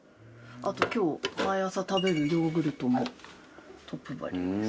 あと、毎朝食べるヨーグルトもトップバリュです。